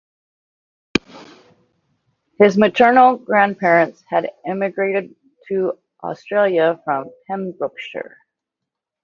His maternal grandparents had emigrated to Australia from Pembrokeshire.